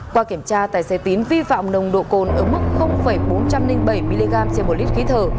qua kiểm tra tài xế tín vi phạm nồng độ cồn ở mức bốn trăm linh bảy mg trên một lít khí thở